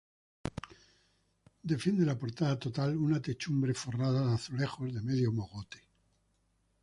Defiende la portada total una techumbre forrada de azulejos de medio mogote.